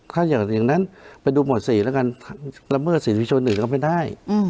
ถ้าอย่างนั้นไปดูหมวด๔แล้วกันละเมิดสิทธิชนอื่นก็ไม่ได้